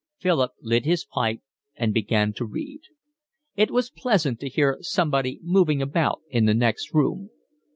Philip lit his pipe and began to read. It was pleasant to hear somebody moving about in the next room.